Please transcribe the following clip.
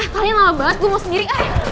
kalian lama banget gue mau sendiri